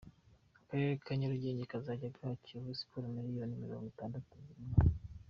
Akarere ka Nyarugenge kazajya gaha Kiyovu Siporo miliyoni mirongwitandatu buri mwaka